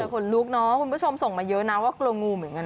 ขนลุกเนอะคุณผู้ชมส่งมาเยอะนะว่ากลัวงูเหมือนกันนะ